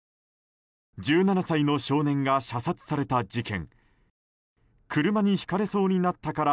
１７歳の少年が射殺された事件。